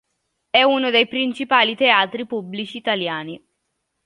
È uno dei principali teatri pubblici italiani.